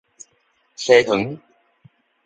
西園